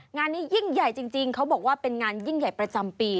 งานนี้ยิ่งใหญ่จริงเขาบอกว่าเป็นงานยิ่งใหญ่ประจำปี